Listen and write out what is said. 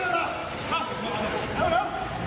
เร็วเร็วเร็ว